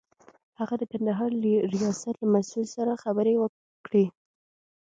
هغه د کندهار ریاست له مسئول سره خبرې کړې.